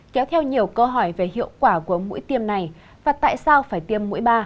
kéo theo nhiều câu hỏi về hiệu quả của mũi tiêm này và tại sao phải tiêm mũi ba